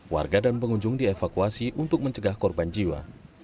warga dan pengunjung dievakuasi untuk mencegah korban jiwa